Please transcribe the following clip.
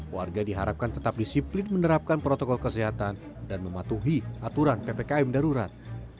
warga diharapkan tetap disiplin menerapkan protokol kesehatan dan mematuhi aturan ppkm darurat